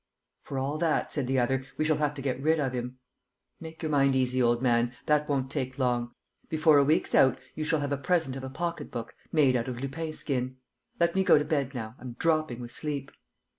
"For all that," said the other, "we shall have to get rid of him." "Make your mind easy, old man; that won't take long. Before a week's out you shall have a present of a pocket book made out of Lupin skin. But let me go to bed now. I'm dropping with sleep."